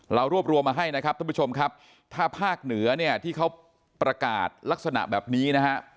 เรารวบรวมมาให้นะครับท่านผู้ชมครับถ้าภาคเหนือเนี่ยที่เขาประกาศลักษณะแบบนี้นะฮะ